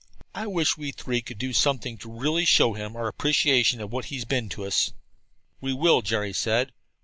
I wish we three could do something to really show him our appreciation of what he's been to us." "We will," Jerry said.